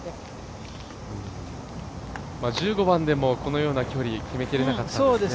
１５番でもこのような距離、決めきれなかったですね。